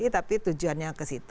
tapi tujuannya ke situ